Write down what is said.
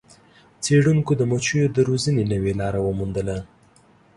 څیړونکو د مچیو د روزنې نوې لاره وموندله.